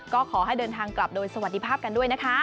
ก็ขอให้เดินทางกลับโดยสวัสดีภาพกันด้วยนะคะ